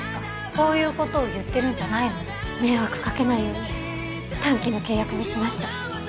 そういうことを言ってるんじゃないの迷惑かけないように短期の契約にしました